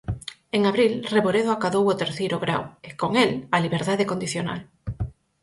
En abril Reboredo acadou o terceiro grao e, con el, a liberdade condicional.